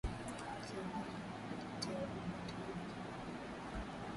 kiongozi anaetawala kimabavu lora gbagbo